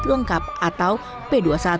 lengkap atau p dua puluh satu